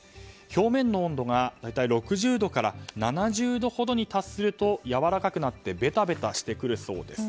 表面の温度が大体６０度から７０度に達すると柔らかくなってべたべたしてくるそうです。